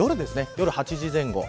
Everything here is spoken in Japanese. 夜８時前後。